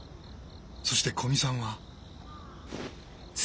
そして古見さんは。